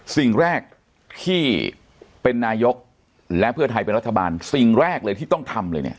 สิ่งแรกที่เป็นนายกและเพื่อไทยเป็นรัฐบาลสิ่งแรกเลยที่ต้องทำเลยเนี่ย